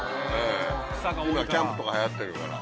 今キャンプとかはやってるから。